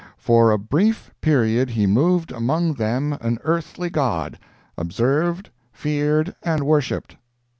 "For a brief period he moved among them an earthly god—observed, feared and worshipped."